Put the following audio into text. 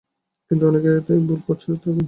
কিন্তু অনেকেই এই ভুল করে থাকেন।